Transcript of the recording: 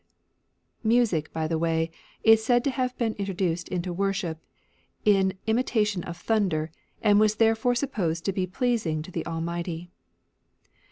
and Music, by the way, is said to have ^®^' been introduced into worship in imitation of thunder, and was therefore sup posed to be pleasing to the Almighty.